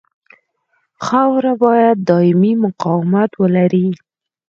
خاوره باید دایمي مقاومت ولري